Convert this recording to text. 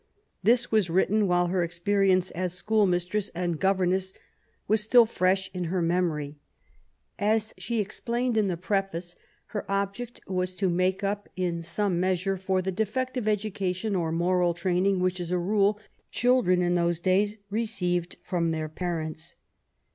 This was written while her experience as school mistress and governess was still fresh in her memory. As she explained in the preface, her object was to make up, in some measure, for the defective education or moral training which, as a rule, children in those days received from their parents.